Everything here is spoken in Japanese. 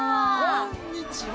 こんにちは。